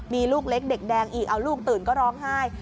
มีลูกเล็กเด็กแดงอีกเอาลูกตื่นก็ร้องไห้